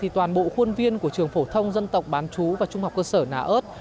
toàn bộ khuôn viên của trường phổ thông dân tộc bán chú và trung học cơ sở nà ơt